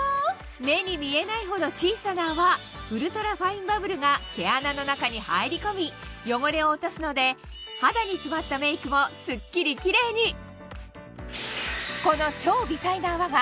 目に見えないほど小さな泡ウルトラファインバブルが毛穴の中に入り込み汚れを落とすので肌に詰まったメイクもすっきりキレイにこの超微細な泡が